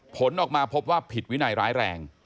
ผลออกมาพบว่าผิดวินัยร้ายแรง